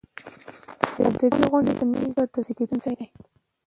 ادبي غونډې د نوي فکر د زیږون ځای دی.